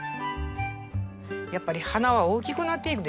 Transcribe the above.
やっぱり花は大きくなっていくでしょ。